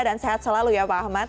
dan sehat selalu ya pak ahmad